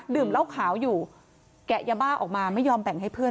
เหล้าขาวอยู่แกะยาบ้าออกมาไม่ยอมแบ่งให้เพื่อน